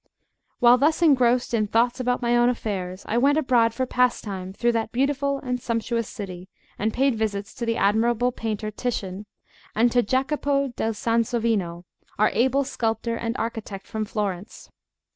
While thus engrossed in thoughts about my own affairs, I went abroad for pastime through that beautiful and sumptuous city, and paid visits to the admirable painter Titian, and to Jacopo del Sansovino, our able sculptor and architect from Florence.